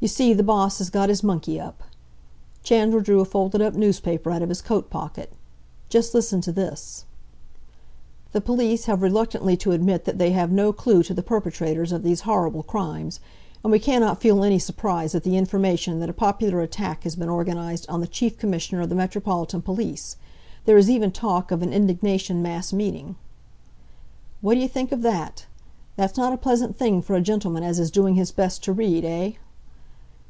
You see, the Boss has got his monkey up!" Chandler drew a folded up newspaper out of his coat pocket. "Just listen to this: "'The police have reluctantly to admit that they have no clue to the perpetrators of these horrible crimes, and we cannot feel any surprise at the information that a popular attack has been organised on the Chief Commissioner of the Metropolitan Police. There is even talk of an indignation mass meeting.' "What d'you think of that? That's not a pleasant thing for a gentleman as is doing his best to read, eh?"